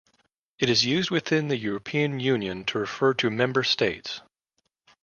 It is used within the European Union to refer to member states.